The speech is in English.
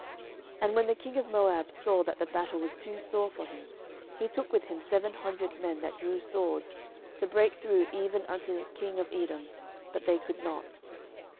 12:003:026 And when the king of Moab saw that the battle was too sore for him, he took with him seven hundred men that drew swords, to break through even unto the king of Edom: but they could not.